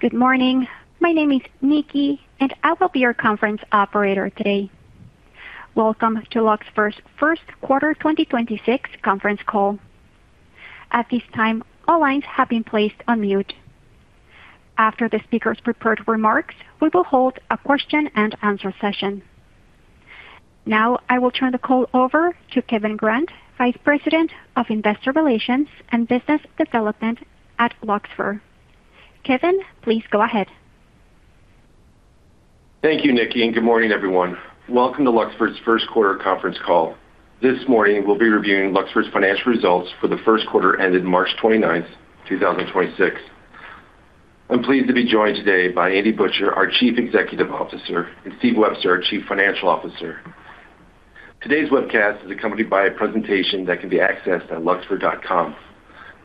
Good morning. My name is Nikki, and I will be your conference operator today. Welcome to Luxfer's Q1 2026 conference call. At this time, all lines have been placed on mute. After the speaker's prepared remarks, we will hold a question-and-answer session. Now, I will turn the call over to Kevin Grant, Vice President of Investor Relations and Business Development at Luxfer. Kevin, please go ahead. Thank you, Nikki, and good morning, everyone. Welcome to Luxfer's Q1 conference call. This morning, we'll be reviewing Luxfer's financial results for the 1st quarter ended March 29, 2026. I'm pleased to be joined today by Andy Butcher, our Chief Executive Officer, and Steve Webster, our Chief Financial Officer. Today's webcast is accompanied by a presentation that can be accessed at luxfer.com.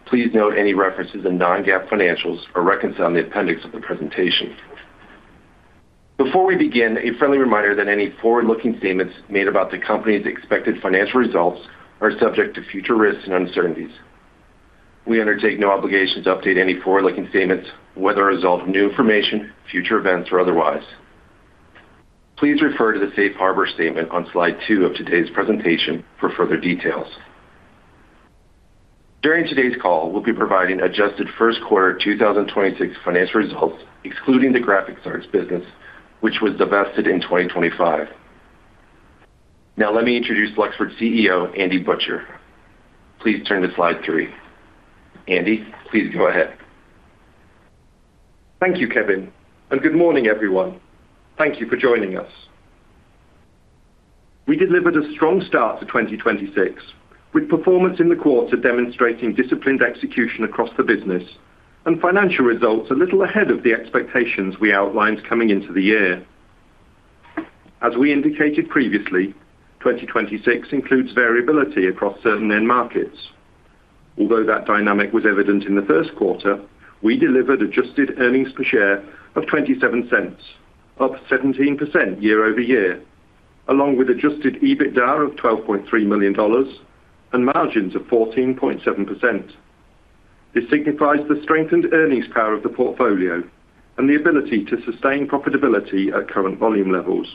Please note any references in non-GAAP financials are reconciled in the appendix of the presentation. Before we begin, a friendly reminder that any forward-looking statements made about the company's expected financial results are subject to future risks and uncertainties. We undertake no obligation to update any forward-looking statements, whether a result of new information, future events, or otherwise. Please refer to the safe harbor statement on slide 2 of today's presentation for further details. During today's call, we'll be providing adjusted Q1 2026 financial results, excluding the Graphic Arts business, which was divested in 2025. Let me introduce Luxfer's CEO, Andy Butcher. Please turn to slide 3. Andy, please go ahead. Thank you, Kevin. Good morning, everyone. Thank you for joining us. We delivered a strong start to 2026, with performance in the quarter demonstrating disciplined execution across the business and financial results a little ahead of the expectations we outlined coming into the year. As we indicated previously, 2026 includes variability across certain end markets. Although that dynamic was evident in the Q1, we delivered adjusted earnings per share of $0.27, up 17% year-over-year, along with adjusted EBITDA of $12.3 million and margins of 14.7%. This signifies the strengthened earnings power of the portfolio and the ability to sustain profitability at current volume levels.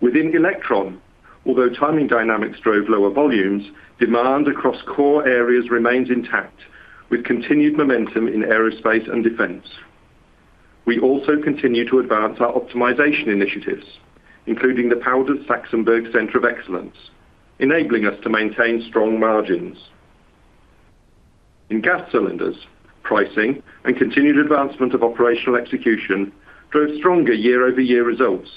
Within Elektron, although timing dynamics drove lower volumes, demand across core areas remains intact with continued momentum in aerospace and defense. We also continue to advance our optimization initiatives, including the Powders Center of Excellence in Saxonburg, Pennsylvania, enabling us to maintain strong margins. In Gas Cylinders, pricing and continued advancement of operational execution drove stronger year-over-year results.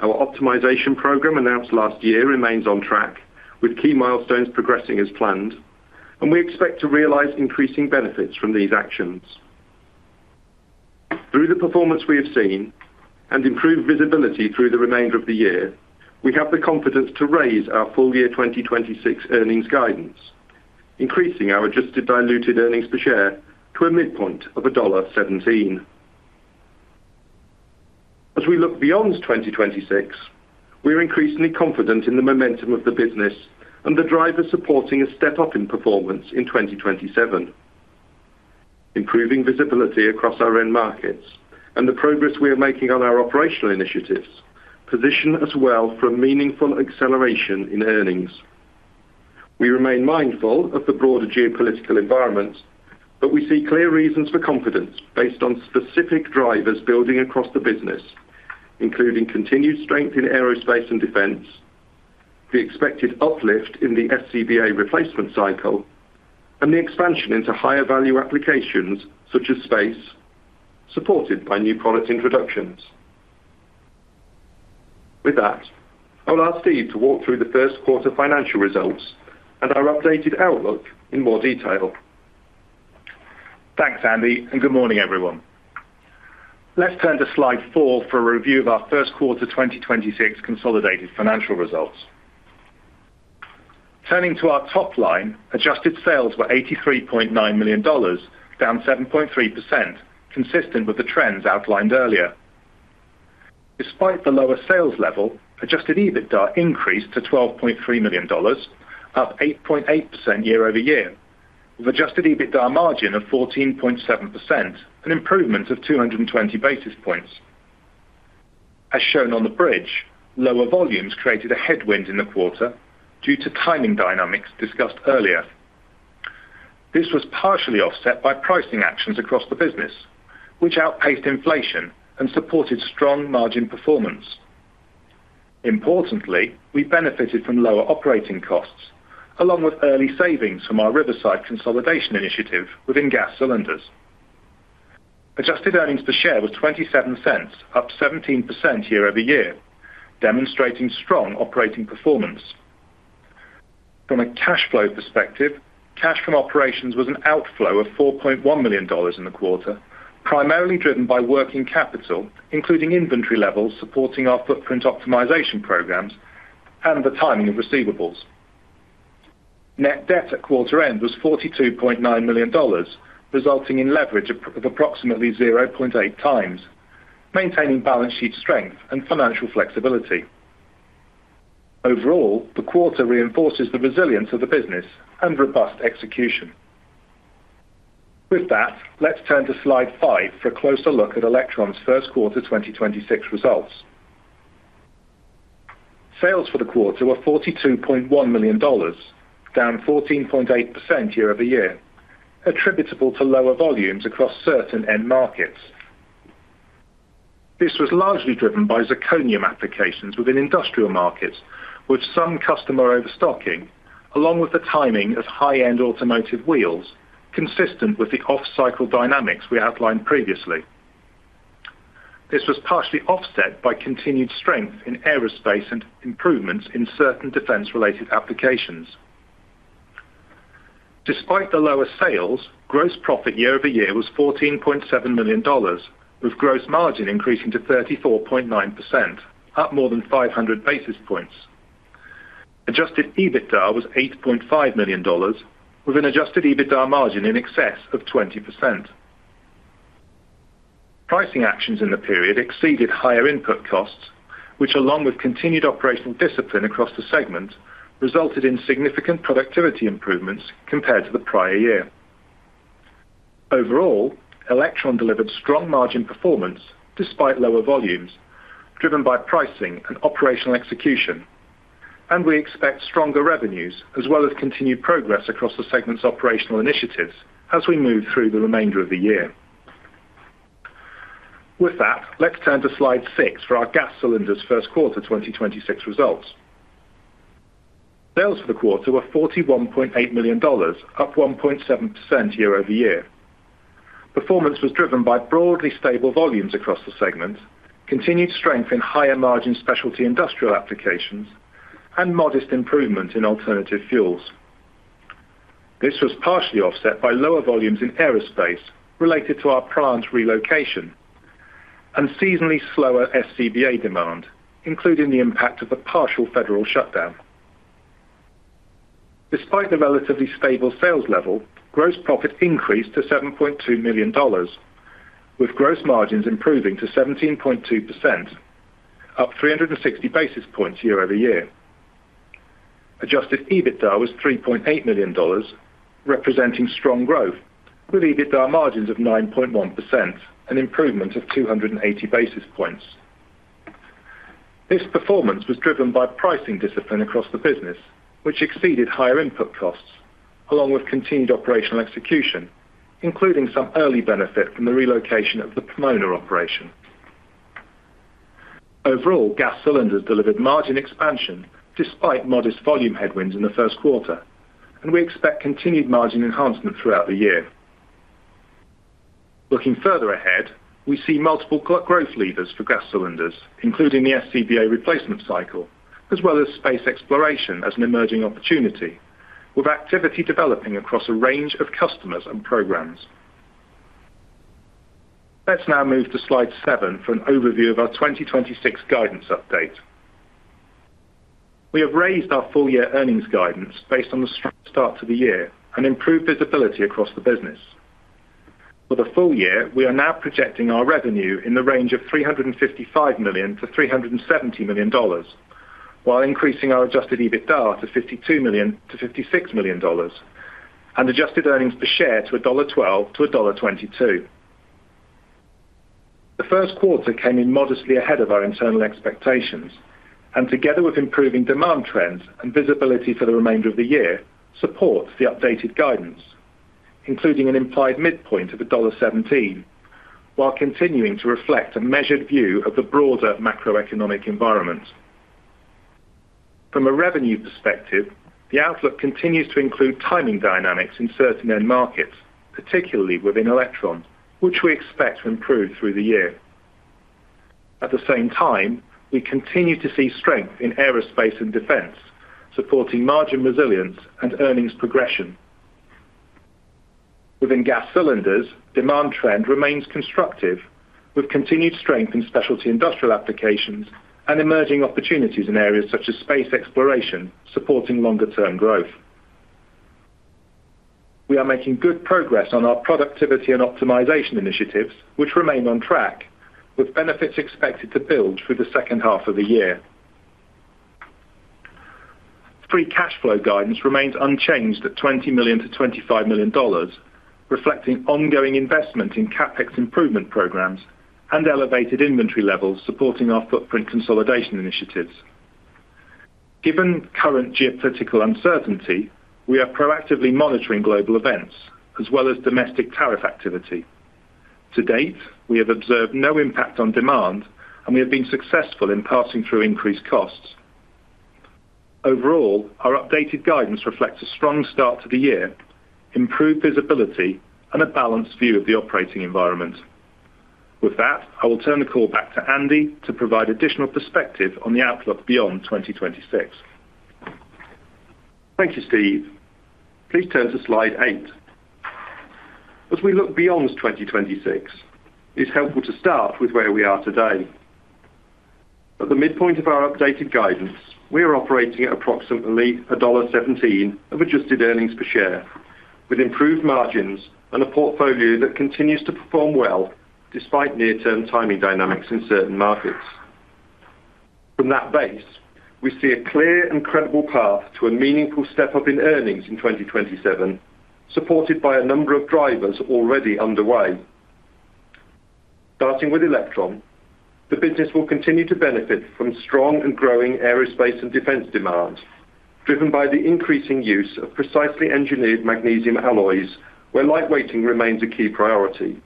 Our optimization program announced last year remains on track with key milestones progressing as planned, and we expect to realize increasing benefits from these actions. Through the performance we have seen and improved visibility through the remainder of the year, we have the confidence to raise our full year 2026 earnings guidance, increasing our adjusted diluted earnings per share to a midpoint of $1.17. As we look beyond 2026, we are increasingly confident in the momentum of the business and the drivers supporting a step-up in performance in 2027. Improving visibility across our end markets and the progress we are making on our operational initiatives position us well for a meaningful acceleration in earnings. We remain mindful of the broader geopolitical environment, but we see clear reasons for confidence based on specific drivers building across the business, including continued strength in aerospace and defense, the expected uplift in the SCBA replacement cycle, and the expansion into higher value applications such as space, supported by new product introductions. With that, I'll ask Steve to walk through the Q1 financial results and our updated outlook in more detail. Thanks, Andy, and good morning, everyone. Let's turn to slide 4 for a review of our Q1 2026 consolidated financial results. Turning to our top line, adjusted sales were $83.9 million, down 7.3%, consistent with the trends outlined earlier. Despite the lower sales level, adjusted EBITDA increased to $12.3 million, up 8.8% year-over-year, with adjusted EBITDA margin of 14.7%, an improvement of 220 basis points. As shown on the bridge, lower volumes created a headwind in the quarter due to timing dynamics discussed earlier. This was partially offset by pricing actions across the business, which outpaced inflation and supported strong margin performance. Importantly, we benefited from lower operating costs along with early savings from our Riverside consolidation initiative within Gas Cylinders. Adjusted earnings per share was $0.27, up 17% year-over-year, demonstrating strong operating performance. From a cash flow perspective, cash from operations was an outflow of $4.1 million in the quarter, primarily driven by working capital, including inventory levels supporting our footprint optimization programs and the timing of receivables. Net debt at quarter end was $42.9 million, resulting in leverage of approximately 0.8x, maintaining balance sheet strength and financial flexibility. Overall, the quarter reinforces the resilience of the business and robust execution. With that, let's turn to slide 5 for a closer look at Elektron's Q1 2026 results. Sales for the quarter were $42.1 million, down 14.8% year-over-year, attributable to lower volumes across certain end markets. This was largely driven by zirconium applications within industrial markets, with some customer overstocking, along with the timing of high-end automotive wheels, consistent with the off-cycle dynamics we outlined previously. This was partially offset by continued strength in aerospace and improvements in certain defense-related applications. Despite the lower sales, gross profit year-over-year was $14.7 million, with gross margin increasing to 34.9%, up more than 500 basis points. Adjusted EBITDA was $8.5 million, with an adjusted EBITDA margin in excess of 20%. Pricing actions in the period exceeded higher input costs, which along with continued operational discipline across the segment, resulted in significant productivity improvements compared to the prior year. Overall, Elektron delivered strong margin performance despite lower volumes, driven by pricing and operational execution. We expect stronger revenues as well as continued progress across the segment's operational initiatives as we move through the remainder of the year. With that, let's turn to slide 6 for our Gas Cylinders Q1 2026 results. Sales for the quarter were $41.8 million, up 1.7% year-over-year. Performance was driven by broadly stable volumes across the segment, continued strength in higher margin specialty industrial applications, and modest improvement in alternative fuels. This was partially offset by lower volumes in aerospace related to our plant relocation and seasonally slower SCBA demand, including the impact of the partial federal shutdown. Despite the relatively stable sales level, gross profit increased to $7.2 million, with gross margins improving to 17.2%, up 360 basis points year-over-year. Adjusted EBITDA was $3.8 million, representing strong growth with EBITDA margins of 9.1%, an improvement of 280 basis points. This performance was driven by pricing discipline across the business, which exceeded higher input costs along with continued operational execution, including some early benefit from the relocation of the Pomona operation. Overall, Gas Cylinders delivered margin expansion despite modest volume headwinds in the Q1. We expect continued margin enhancement throughout the year. Looking further ahead, we see multiple growth levers for Gas Cylinders, including the SCBA replacement cycle, as well as space exploration as an emerging opportunity, with activity developing across a range of customers and programs. Let's now move to slide 7 for an overview of our 2026 guidance update. We have raised our full year earnings guidance based on the strong start to the year and improved visibility across the business. For the full year, we are now projecting our revenue in the range of $355 million- $370 million, while increasing our adjusted EBITDA to $52 million- $56 million and adjusted earnings per share to $1.12-$1.22. The Q1 came in modestly ahead of our internal expectations, and together with improving demand trends and visibility for the remainder of the year, supports the updated guidance, including an implied midpoint of $1.17, while continuing to reflect a measured view of the broader macroeconomic environment. From a revenue perspective, the outlook continues to include timing dynamics in certain end markets, particularly within Elektron, which we expect to improve through the year. At the same time, we continue to see strength in aerospace and defense, supporting margin resilience and earnings progression. Within Gas Cylinders, demand trend remains constructive with continued strength in specialty industrial applications and emerging opportunities in areas such as space exploration, supporting longer-term growth. We are making good progress on our productivity and optimization initiatives, which remain on track, with benefits expected to build through the second half of the year. Free cash flow guidance remains unchanged at $20 million- $25 million, reflecting ongoing investment in CapEx improvement programs and elevated inventory levels supporting our footprint consolidation initiatives. Given current geopolitical uncertainty, we are proactively monitoring global events as well as domestic tariff activity. To date, we have observed no impact on demand, and we have been successful in passing through increased costs. Overall, our updated guidance reflects a strong start to the year, improved visibility, and a balanced view of the operating environment. With that, I will turn the call back to Andy to provide additional perspective on the outlook beyond 2026. Thank you, Steve. Please turn to slide 8. As we look beyond 2026, it's helpful to start with where we are today. At the midpoint of our updated guidance, we are operating at approximately $1.17 of adjusted earnings per share. With improved margins and a portfolio that continues to perform well despite near-term timing dynamics in certain markets. From that base, we see a clear and credible path to a meaningful step-up in earnings in 2027, supported by a number of drivers already underway. Starting with Elektron, the business will continue to benefit from strong and growing aerospace and defense demand, driven by the increasing use of precisely engineered magnesium alloys where lightweighting remains a key priority.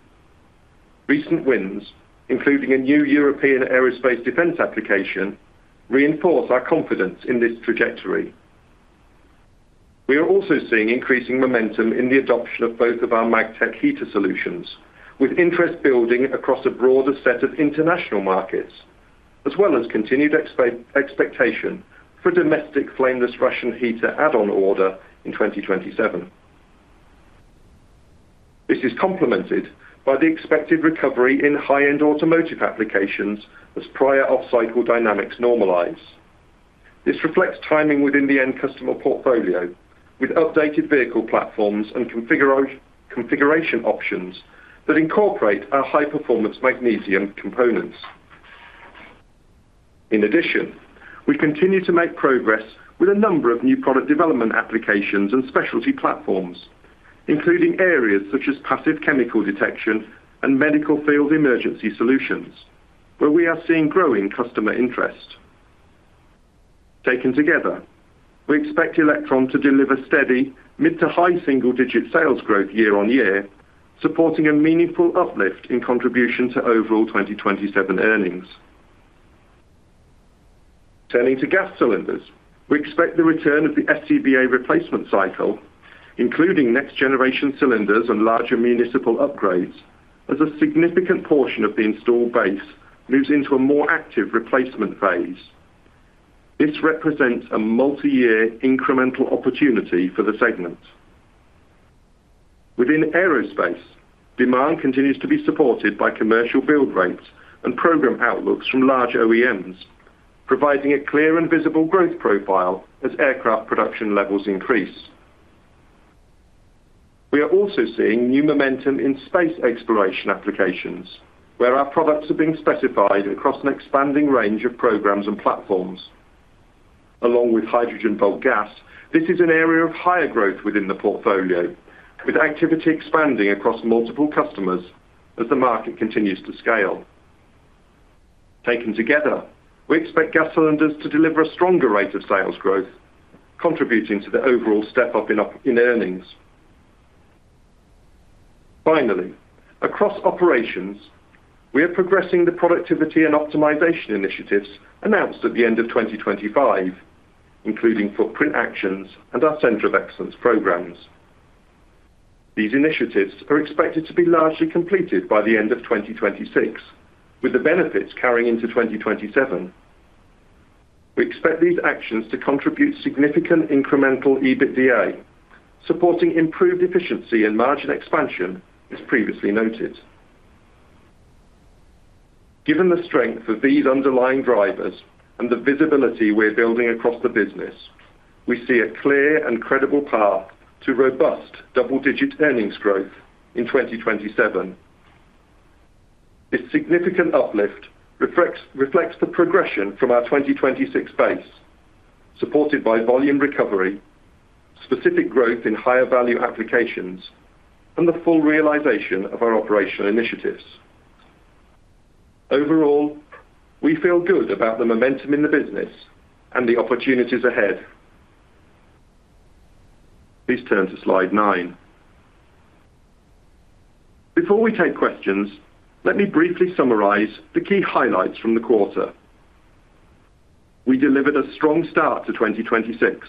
Recent wins, including a new European Aerospace Defense application, reinforce our confidence in this trajectory. We are also seeing increasing momentum in the adoption of both of our Magtech heater solutions, with interest building across a broader set of international markets, as well as continued expectation for domestic flameless ration heater add-on order in 2027. This is complemented by the expected recovery in high-end automotive applications as prior off-cycle dynamics normalize. This reflects timing within the end customer portfolio with updated vehicle platforms and configuration options that incorporate our high-performance magnesium components. In addition, we continue to make progress with a number of new product development applications and specialty platforms, including areas such as passive chemical detection and medical field emergency solutions, where we are seeing growing customer interest. Taken together, we expect Elektron to deliver steady mid to high single-digit sales growth year-over-year, supporting a meaningful uplift in contribution to overall 2027 earnings. Turning to Gas Cylinders, we expect the return of the SCBA replacement cycle, including next-generation cylinders and larger municipal upgrades, as a significant portion of the installed base moves into a more active replacement phase. This represents a multiyear incremental opportunity for the segment. Within aerospace, demand continues to be supported by commercial build rates and program outlooks from large OEMs, providing a clear and visible growth profile as aircraft production levels increase. We are also seeing new momentum in space exploration applications, where our products are being specified across an expanding range of programs and platforms. Along with hydrogen bulk gas, this is an area of higher growth within the portfolio, with activity expanding across multiple customers as the market continues to scale. Taken together, we expect Gas Cylinders to deliver a stronger rate of sales growth, contributing to the overall step-up in earnings. Finally, across operations, we are progressing the productivity and optimization initiatives announced at the end of 2025, including footprint actions and our center of excellence programs. These initiatives are expected to be largely completed by the end of 2026, with the benefits carrying into 2027. We expect these actions to contribute significant incremental EBITDA, supporting improved efficiency and margin expansion, as previously noted. Given the strength of these underlying drivers and the visibility we're building across the business, we see a clear and credible path to robust double-digit earnings growth in 2027. This significant uplift reflects the progression from our 2026 base, supported by volume recovery, specific growth in higher value applications, and the full realization of our operational initiatives. Overall, we feel good about the momentum in the business and the opportunities ahead. Please turn to slide 9. Before we take questions, let me briefly summarize the key highlights from the quarter. We delivered a strong start to 2026,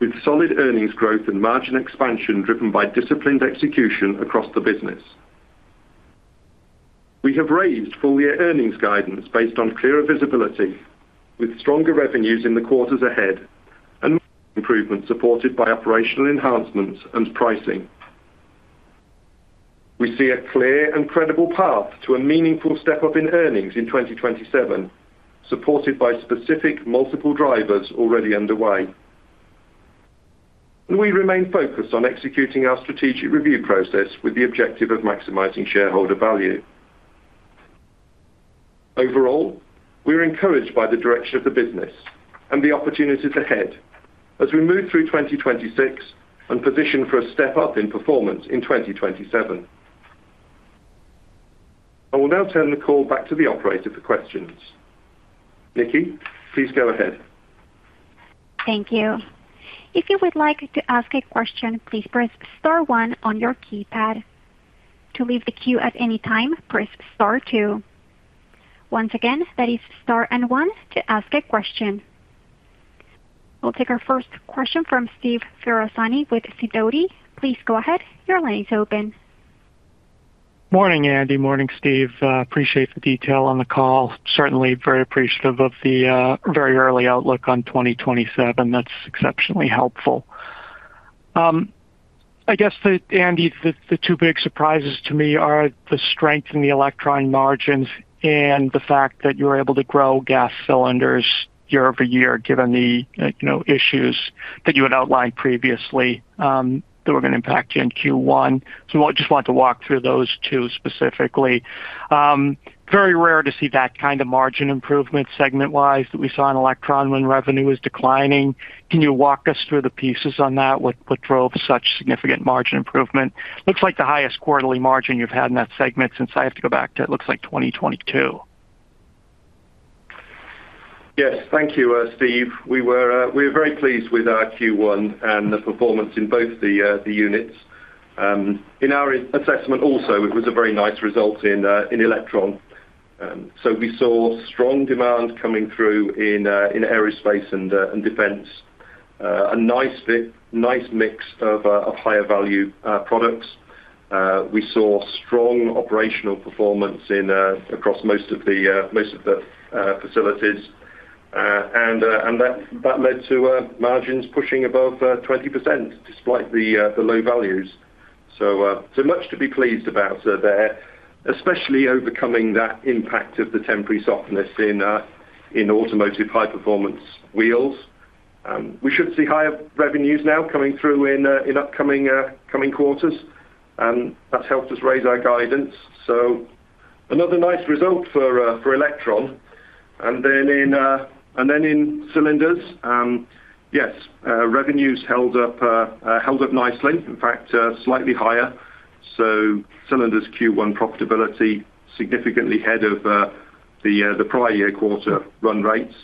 with solid earnings growth and margin expansion driven by disciplined execution across the business. We have raised full-year earnings guidance based on clearer visibility, with stronger revenues in the quarters ahead and improvements supported by operational enhancements and pricing. We see a clear and credible path to a meaningful step-up in earnings in 2027, supported by specific multiple drivers already underway. We remain focused on executing our strategic review process with the objective of maximizing shareholder value. Overall, we are encouraged by the direction of the business and the opportunities ahead as we move through 2026 and position for a step-up in performance in 2027. I will now turn the call back to the operator for questions. Nikki, please go ahead. Thank you. If you would like to ask a question, please press star one on your keypad. To leave the queue at any time, press star two. Once again, that is star and one to ask a question. We'll take our first question from Steve Ferazani with Sidoti. Please go ahead. Your line is open. Morning, Andy. Morning, Steve. Appreciate the detail on the call. Certainly very appreciative of the very early outlook on 2027. That's exceptionally helpful. Andy, the two big surprises to me are the strength in the Elektron margins and the fact that you were able to grow Gas Cylinders year-over-year given the, you know, issues that you had outlined previously that were gonna impact you in Q1. I just want to walk through those two specifically. Very rare to see that kind of margin improvement segment-wise that we saw in Elektron when revenue is declining. Can you walk us through the pieces on that? What drove such significant margin improvement? Looks like the highest quarterly margin you've had in that segment since I have to go back to it looks like 2022. Yes. Thank you, Steve Ferazani. We were very pleased with our Q1 and the performance in both the units. In our assessment also, it was a very nice result in Elektron. We saw strong demand coming through in aerospace and defense. A nice mix of higher value products. We saw strong operational performance across most of the facilities. That led to margins pushing above 20% despite the low volumes. Much to be pleased about there, especially overcoming that impact of the temporary softness in automotive high-performance wheels. We should see higher revenues now coming through in upcoming coming quarters, and that's helped us raise our guidance. Another nice result for Elektron. In Gas Cylinders, revenues held up nicely. In fact, slightly higher. Gas Cylinders Q1 profitability significantly ahead of the prior year quarter run rates.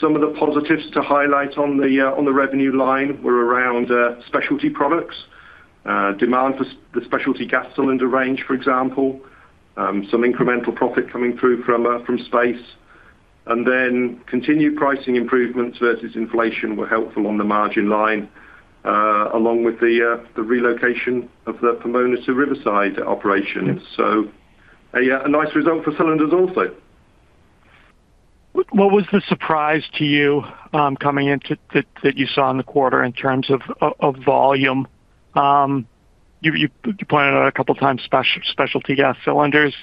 Some of the positives to highlight on the revenue line were around specialty products. Demand for the specialty gas cylinder range, for example. Some incremental profit coming through from space. Continued pricing improvements versus inflation were helpful on the margin line, along with the relocation of the Pomona to Riverside operation. A nice result for Gas Cylinders also. What was the surprise to you that you saw in the quarter in terms of volume? You pointed out a couple of times specialty gas cylinders.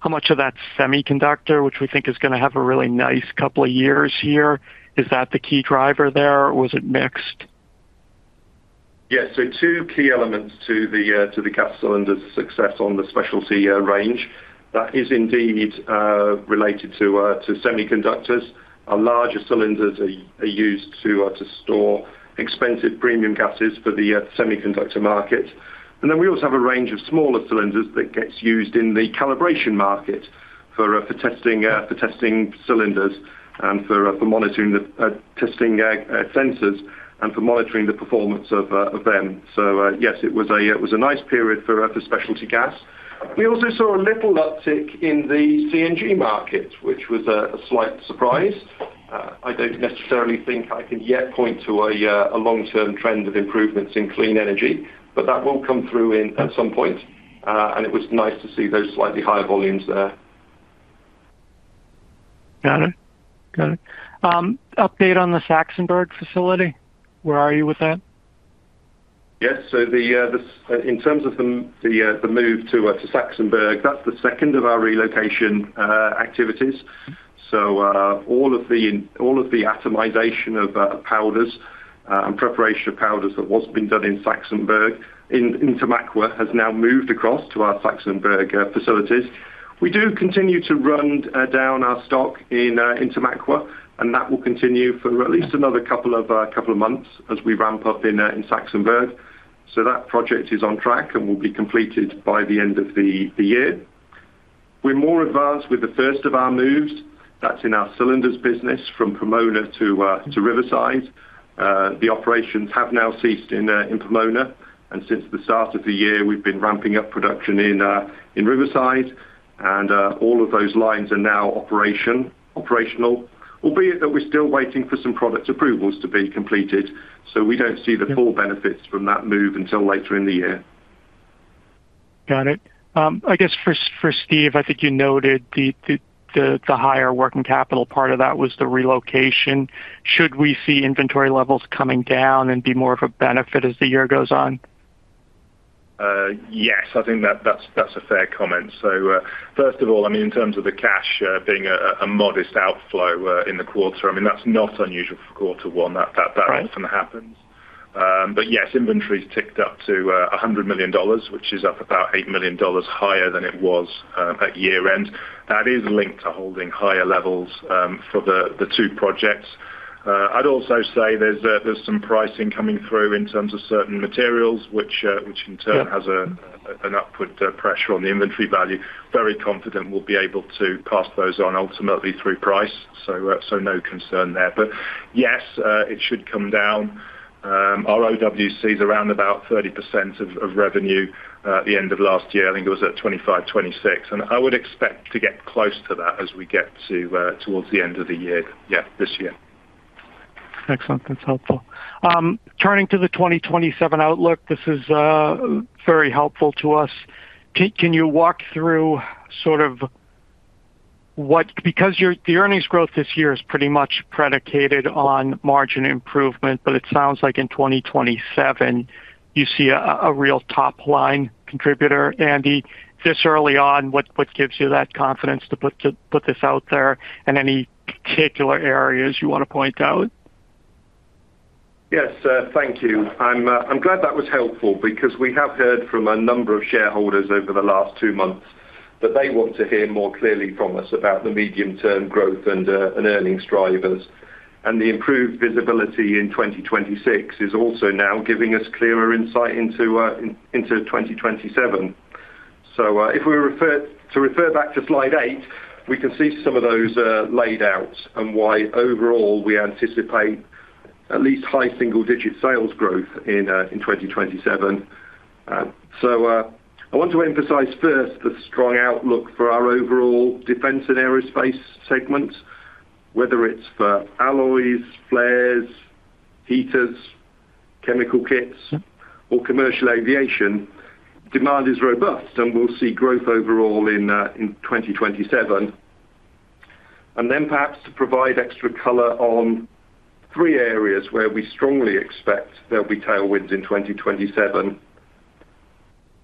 How much of that's semiconductor, which we think is gonna have a really nice couple of years here? Is that the key driver there? Was it mixed? Yeah. Two key elements to the Gas Cylinders success on the specialty range. That is indeed related to semiconductors. Our larger cylinders are used to store expensive premium gases for the semiconductor market. Then we also have a range of smaller cylinders that gets used in the calibration market for testing cylinders and for monitoring the testing sensors and for monitoring the performance of them. Yes, it was a nice period for specialty gas. We also saw a little uptick in the CNG market, which was a slight surprise. I don't necessarily think I can yet point to a long-term trend of improvements in clean energy, but that will come through in at some point. It was nice to see those slightly higher volumes there. Got it. Got it. Update on the Saxonburg facility. Where are you with that? Yes. The in terms of the move to Saxonburg, that's the second of our relocation activities. All of the atomization of powders and preparation of powders that once been done in Saxonburg, in Tamaqua, has now moved across to our Saxonburg facilities. We do continue to run down our stock in Tamaqua, and that will continue for at least another couple of months as we ramp up in Saxonburg. That project is on track and will be completed by the end of the year. We are more advanced with the first of our moves. That's in our cylinders business from Pomona to Riverside. The operations have now ceased in Pomona. Since the start of the year, we've been ramping up production in Riverside. All of those lines are now operational, albeit that we're still waiting for some product approvals to be completed, so we don't see the full benefits from that move until later in the year. Got it. I guess for Steve, I think you noted the higher working capital part of that was the relocation. Should we see inventory levels coming down and be more of a benefit as the year goes on? Yes. I think that's a fair comment. First of all, I mean, in terms of the cash, being a modest outflow in the quarter, I mean, that's not unusual for quarter one. That often happens. But yes, inventory's ticked up to $100 million, which is up about $8 million higher than it was at year-end. That is linked to holding higher levels for the two projects. I'd also say there's some pricing coming through in terms of certain materials which in turn has an upward pressure on the inventory value. Very confident we'll be able to pass those on ultimately through price. No concern there. But yes, it should come down. Our OWCs around about 30% of revenue. At the end of last year, I think it was at $25, $26, and I would expect to get close to that as we get to towards the end of the year this year. Excellent. That's helpful. Turning to the 2027 outlook, this is very helpful to us. Can you walk through the earnings growth this year is pretty much predicated on margin improvement, but it sounds like in 2027 you see a real top-line contributor. Andy, this early on, what gives you that confidence to put this out there? And any particular areas you want to point out? Yes, sir. Thank you. I'm glad that was helpful because we have heard from a number of shareholders over the last 2 months that they want to hear more clearly from us about the medium-term growth and earnings drivers. The improved visibility in 2026 is also now giving us clearer insight into 2027. If we refer back to slide 8, we can see some of those laid out and why overall we anticipate at least high single-digit sales growth in 2027. I want to emphasize first the strong outlook for our overall defense and aerospace segments, whether it's for alloys, flares, heaters, chemical kits. Mm-hmm Commercial aviation, demand is robust, and we'll see growth overall in 2027. Perhaps to provide extra color on 3 areas where we strongly expect there'll be tailwinds in 2027.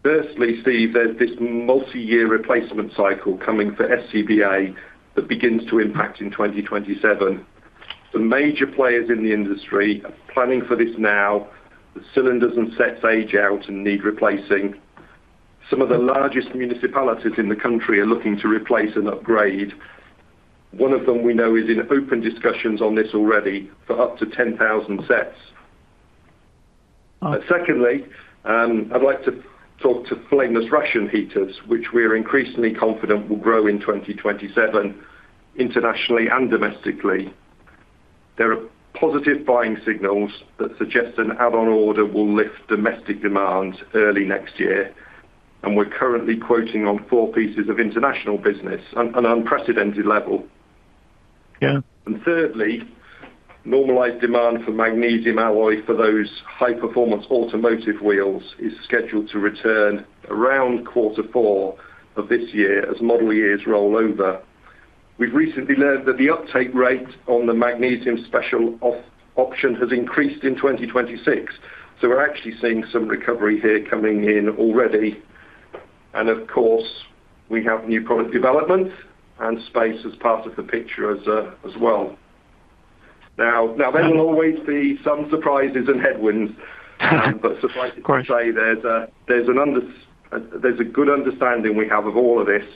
Firstly, Steve, there's this multi-year replacement cycle coming for SCBA that begins to impact in 2027. The major players in the industry are planning for this now. The cylinders and sets age out and need replacing. Some of the largest municipalities in the country are looking to replace and upgrade. One of them we know is in open discussions on this already for up to 10,000 sets. Oh. Secondly, I'd like to talk to flameless ration heaters, which we're increasingly confident will grow in 2027 internationally and domestically. There are positive buying signals that suggest an add-on order will lift domestic demand early next year, and we're currently quoting on four pieces of international business, an unprecedented level. Yeah. Thirdly, normalized demand for magnesium alloy for those high-performance automotive wheels is scheduled to return around Q4 of this year as model years roll over. We've recently learned that the uptake rate on the magnesium special option has increased in 2026, so we're actually seeing some recovery here coming in already. Of course, we have new product development and space as part of the picture as well. Now, there will always be some surprises and headwinds. Of course. Suffice it to say there's a good understanding we have of all of this,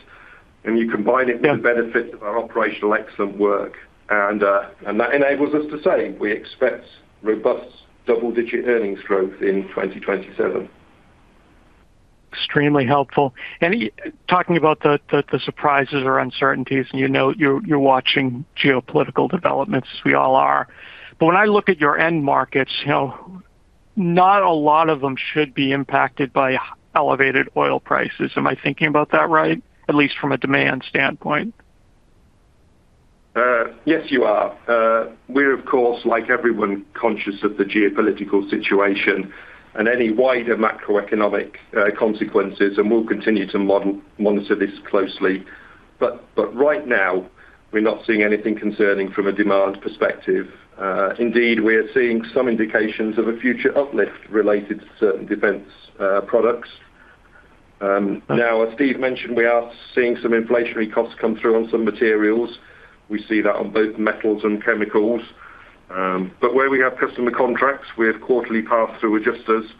and you combine it- Yeah With the benefits of our operational excellent work and that enables us to say we expect robust double-digit earnings growth in 2027. Extremely helpful. Talking about the surprises or uncertainties, and you know you're watching geopolitical developments, as we all are. But when I look at your end markets, you know, not a lot of them should be impacted by elevated oil prices. Am I thinking about that right, at least from a demand standpoint? Yes, you are. We're of course, like everyone, conscious of the geopolitical situation and any wider macroeconomic consequences, and we'll continue to monitor this closely. Right now we're not seeing anything concerning from a demand perspective. Indeed, we are seeing some indications of a future uplift related to certain defense products. As Steve mentioned, we are seeing some inflationary costs come through on some materials. We see that on both metals and chemicals. Where we have customer contracts, we have quarterly pass-through adjusters,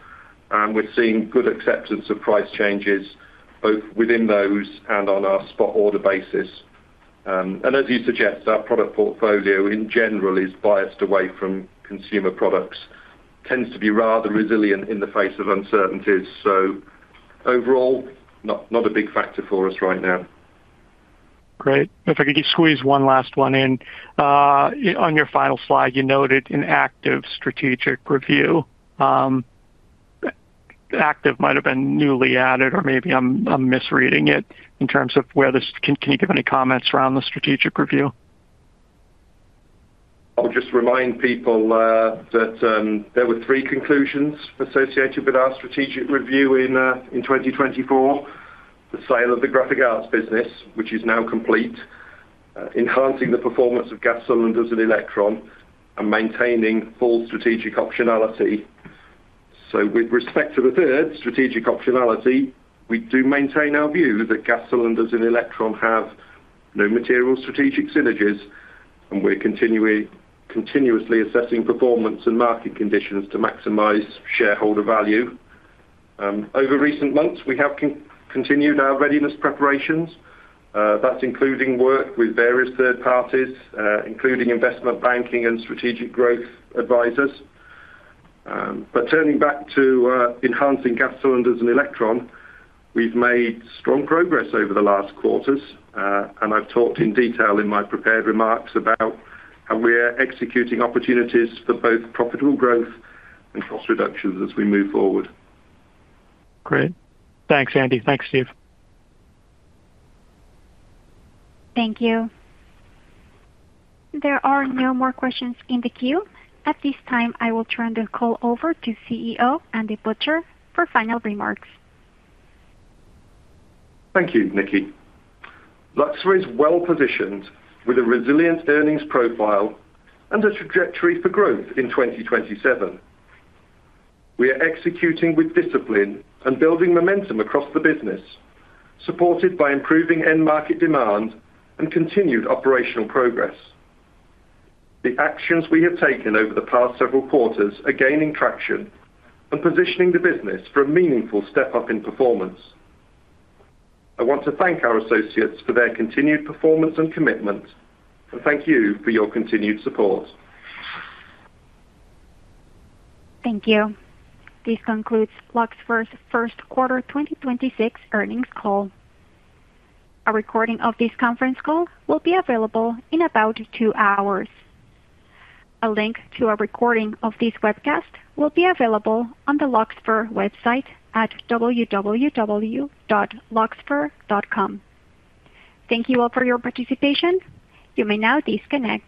we're seeing good acceptance of price changes both within those and on our spot order basis. As you suggest, our product portfolio in general is biased away from consumer products. It tends to be rather resilient in the face of uncertainties. Overall, not a big factor for us right now. Great. If I could just squeeze one last one in. On your final slide, you noted an active strategic review. Active might have been newly added or maybe I'm misreading it in terms of where this is. Can you give any comments around the strategic review? I'll just remind people that there were three conclusions associated with our strategic review in 2024. The sale of the Graphic Arts business, which is now complete. Enhancing the performance of Gas Cylinders and Elektron, and maintaining full strategic optionality. With respect to the third, strategic optionality, we do maintain our view that Gas Cylinders in Elektron have no material strategic synergies, and we're continuously assessing performance and market conditions to maximize shareholder value. Over recent months, we have continued our readiness preparations. That's including work with various third parties, including investment banking and strategic growth advisors. Turning back to enhancing Gas Cylinders in Elektron, we've made strong progress over the last quarters. I've talked in detail in my prepared remarks about how we are executing opportunities for both profitable growth and cost reductions as we move forward. Great. Thanks, Andy. Thanks, Steve. Thank you. There are no more questions in the queue. At this time, I will turn the call over to CEO, Andy Butcher, for final remarks. Thank you, Nikki. Luxfer is well-positioned with a resilient earnings profile and a trajectory for growth in 2027. We are executing with discipline and building momentum across the business, supported by improving end market demand and continued operational progress. The actions we have taken over the past several quarters are gaining traction and positioning the business for a meaningful step-up in performance. I want to thank our associates for their continued performance and commitment. Thank you for your continued support. Thank you. This concludes Luxfer's Q1 2026 earnings call. A recording of this conference call will be available in about two hours. A link to a recording of this webcast will be available on the Luxfer website at www.luxfer.com. Thank you all for your participation. You may now disconnect.